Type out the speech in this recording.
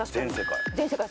全世界。